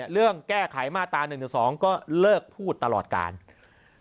เรื่องแก้ไขมาตรา๑หรือ๒ก็เลิกพูดตลอดการนะครับ